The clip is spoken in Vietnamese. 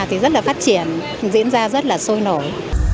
thì rất là phát triển diễn ra rất là sôi nổi